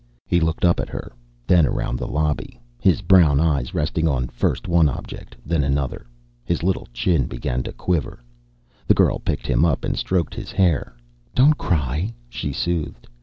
He looked up at her, then around the lobby, his brown eyes resting on first one object, then another. His little chin began to quiver. The girl picked him up and stroked his hair. "Don't cry," she soothed.